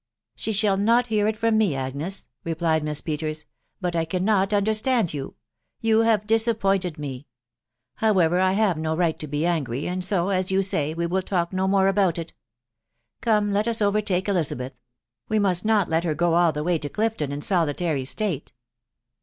" She shall not hear it from me, Agnes," replied Miss Pe ters. ... €S But I cannot umdmtand you — you have dis appointed me. .•. However, I have bo right to be angry, and. so, as you say, we will talk no mere about it. Come, let us overtake Elisabeth; we mast not let her go all the way to Clifton in solitary state."